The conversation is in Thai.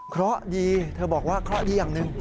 เพราะดีเธอบอกว่าเคราะห์ดีอย่างหนึ่ง